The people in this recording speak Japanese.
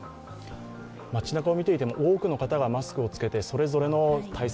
街なかを見ていても多くの方がマスクを着けてそれぞれの対策